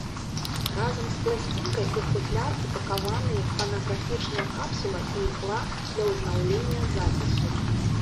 Разам з пласцінкай у футляр упакаваныя фанаграфічная капсула і ігла для ўзнаўлення запісу.